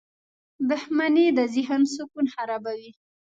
• دښمني د ذهن سکون خرابوي.